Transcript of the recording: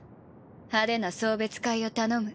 派手な送別会を頼む。